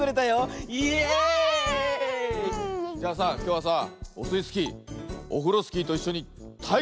じゃあさきょうはさオスイスキーオフロスキーといっしょにたいけつをしよう！